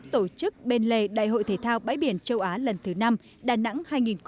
tổ chức bên lề đại hội thể thao bãi biển châu á lần thứ năm đà nẵng hai nghìn hai mươi